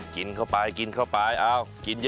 กินเข้าไปกินเยอะ